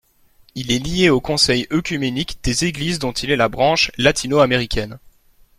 Il est lié au Conseil œcuménique des églises dont il est la branche latino-américaine.